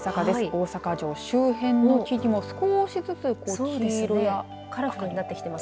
大阪城周辺の木々も少しずつ黄色や。